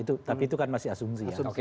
itu dia tapi itu kan masih asumsi